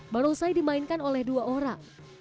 barongsai dimainkan oleh dua orang